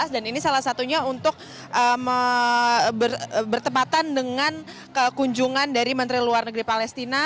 dan ini salah satunya untuk bertempatan dengan kekunjungan dari menteri luar negeri palestina